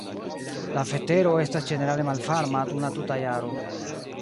La vetero estas ĝenerale malvarma dum la tuta jaro.